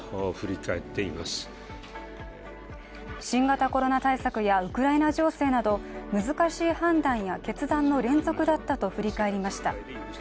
新型コロナ対策やウクライナ情勢など難しい判断や決断の連続だったと振り返りました。